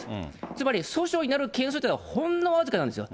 つまり訴訟になる件数っていうのは、ほんの僅かなんですよ。